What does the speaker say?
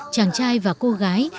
chàng trai và cô gái